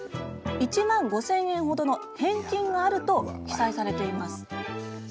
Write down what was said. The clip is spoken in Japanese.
１万５０００円程の返金があると記載されています。